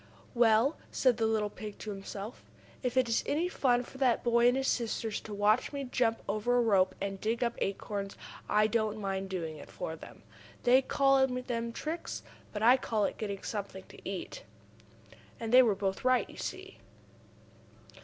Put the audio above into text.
"Well," said the little pig to himself, "if it is any fun for that boy and his sisters to watch me jump over a rope, and dig up acorns, I don't mind doing it for them. They call them tricks, but I call it getting something to eat." And they were both right, you see.